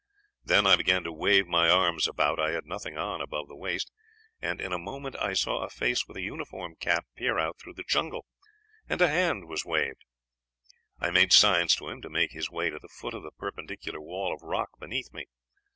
Then I began to wave my arms about I had nothing on above the waist and in a moment I saw a face with a uniform cap peer out through the jungle; and a hand was waved. I made signs to him to make his way to the foot of the perpendicular wall of rock beneath me.